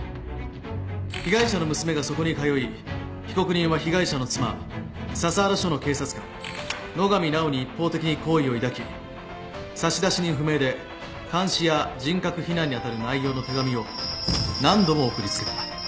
被害者の娘がそこに通い被告人は被害者の妻笹原署の警察官野上奈緒に一方的に好意を抱き差出人不明で監視や人格非難に当たる内容の手紙を何度も送りつけた。